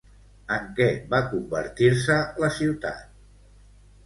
En què va convertir-se la ciutat?